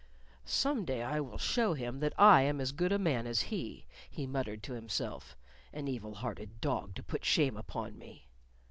"Some day I will show him that I am as good a man as he," he muttered to himself. "An evil hearted dog to put shame upon me!"